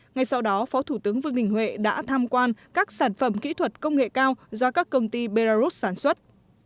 ngay sau đó phó thủ tướng vương đình huệ đã tham quan các sản phẩm kỹ thuật công nghệ cao do các công ty belarus sản xuất